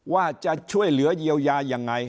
ว่าจะช่วยเหลือเยียวยายังไง